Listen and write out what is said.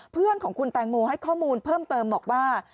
เพื่อนของคุณแตงโมให้ข้อมูลเพิ่มเติมบอกว่า